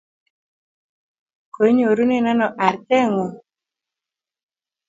Koinyorune ano artet ng'ung'?